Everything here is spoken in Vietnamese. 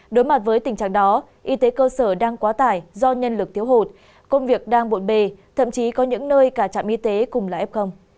đối mặt với tình trạng đó y tế cơ sở đang quá tải do nhân lực thiếu hụt công việc đang bộn bề thậm chí có những nơi cả trạm y tế cùng là f